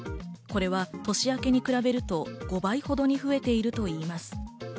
これは年明けに比べると５倍ほどに増えているといいます。